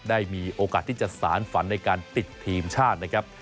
ได้มีโอกาสที่จะสารฝันในการติดทีมชาตินะครับ